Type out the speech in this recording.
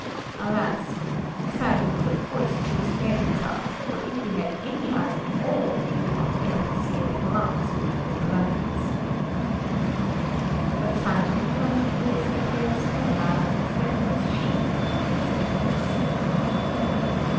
Alas! Simon would of course choose Meryza, for if he had any eyes at all he could not fail to see at a glance which was the loveliest. But Simon turned towards the pale Siona and said it was she who pleased him best.